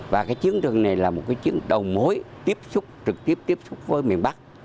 và cái chiến trường này là một cái chiến đầu mối tiếp xúc trực tiếp tiếp xúc với miền bắc